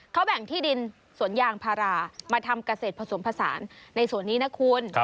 เขาแบ่งที่ดินสวนยางพารามาทำเกษตรผสมผสานในสวนนี้นะคุณ